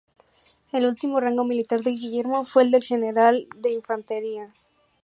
El último rango militar de Guillermo fue el de General de Infantería.